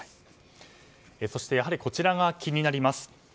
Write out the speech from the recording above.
そして、やはりこちらが気になります。